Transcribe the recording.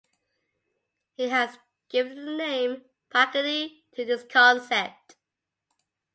He has given the name panarchy to this concept.